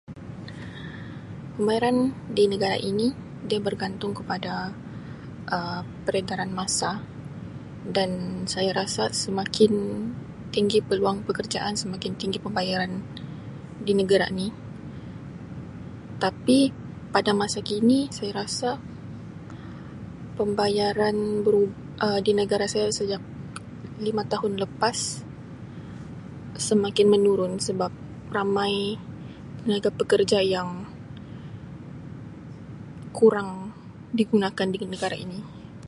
Pembayaran di negara ini dia bergantung kepada Um peredaran masa dan saya rasa semakin tinggi peluang pekerjaan semakin tinggi pembayaran di negara ni tapi pada masa kini saya rasa pembayaran berub Um di negara saya sejak lima tahun lepas semakin menurun sebab ramai pekerja-pekerja yang kurang digunakan di negara ini.